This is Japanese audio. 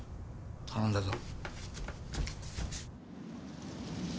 頼んだぞ。